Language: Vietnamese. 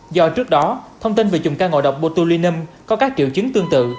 do trước đó thông tin về chùm ca ngộ độc botulinum có các triệu chứng tương tự